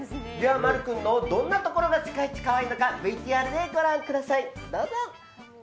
まる君のどんなところが世界一可愛いのかＶＴＲでご覧ください。